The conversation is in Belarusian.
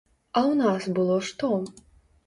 А ў нас было што?